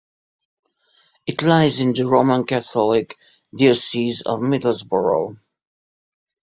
It lies in the Roman Catholic Diocese of Middlesbrough.